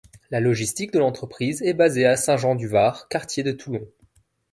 La logistique de l'entreprise est basée à Saint-Jean-du-Var, quartier de Toulon.